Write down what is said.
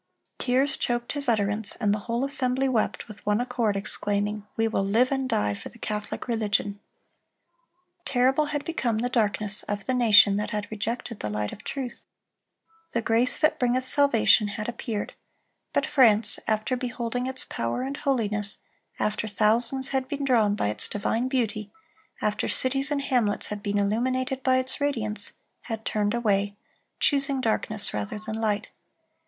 Tears choked his utterance, and the whole assembly wept, with one accord exclaiming, "We will live and die for the Catholic religion!"(340) Terrible had become the darkness of the nation that had rejected the light of truth. "The grace that bringeth salvation" had appeared; but France, after beholding its power and holiness, after thousands had been drawn by its divine beauty, after cities and hamlets had been illuminated by its radiance, had turned away, choosing darkness rather than light.